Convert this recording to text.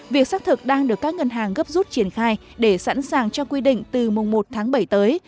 việc xác thực đang được các ngân hàng gấp rút triển khai để sẵn sàng cho quy định từ mùng một tháng bảy tới